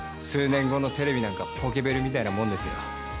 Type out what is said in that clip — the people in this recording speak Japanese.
数年後のテレビなんかポケベルみたいなもんですよ。